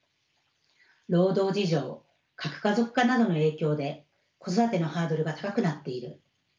労働事情核家族化などの影響で子育てのハードルが高くなっている。